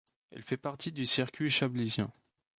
Elle fait partie du circuit Chablisien.